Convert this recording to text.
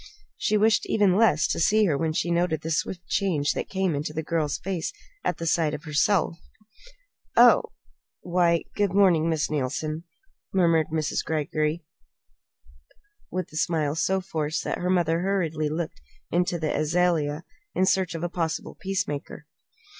She wished even less to see her when she noted the swift change that came to the girl's face at sight of herself. "Oh! Why good morning, Miss Neilson," murmured Miss Greggory with a smile so forced that her mother hurriedly looked to the azalea in search of a possible peacemaker.